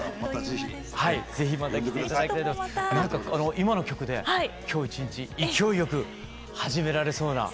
今の曲で今日一日勢いよく始められそうな。